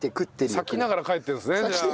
さきながら帰ってるんですね。